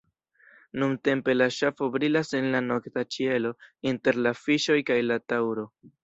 Nuntempe la ŝafo brilas en la nokta ĉielo inter la Fiŝoj kaj la Taŭro.